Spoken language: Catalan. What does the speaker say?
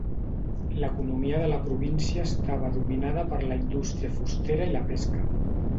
L'economia de la província estava dominada per la indústria fustera i la pesca.